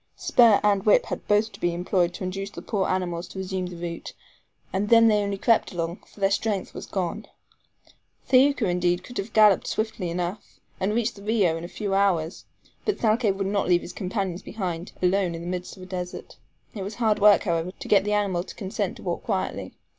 Spur and whip had both to be employed to induce the poor animals to resume the route, and then they only crept along, for their strength was gone. Thaouka, indeed, could have galloped swiftly enough, and reached the RIO in a few hours, but Thalcave would not leave his companions behind, alone in the midst of a desert. It was hard work, however, to get the animal to consent to walk quietly.